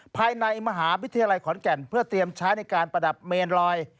ภายในมหาวิทยาลัยขอนแก่นเพื่อเตรียมใช้ในการประดับเมนลอย